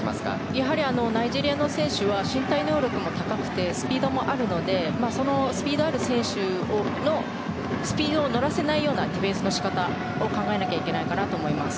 やはりナイジェリアの選手は身体能力も高くてスピードもあるのでスピードある選手のスピードに乗らせないようなディフェンスの仕方を考えなきゃいけないかなと思います。